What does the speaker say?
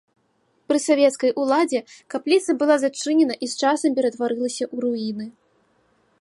Пры савецкай уладзе капліца была зачынена і з часам ператварылася ў руіны.